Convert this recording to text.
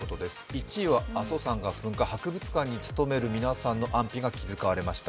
１位は阿蘇山が噴火、博物館に勤める方々の安否が気遣われました。